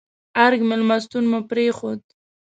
ارګ مېلمستون مو پرېښود.